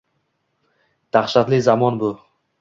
Dahshatli zamon bu!